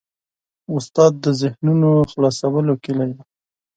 استاد د ذهنونو خلاصولو کلۍ ده.